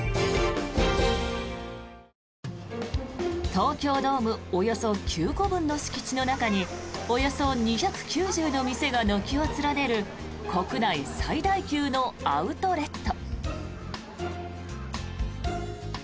東京ドームおよそ９個分の敷地の中におよそ２９０の店が軒を連ねる国内最大級のアウトレット。